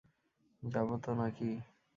যাবো তো না-কি?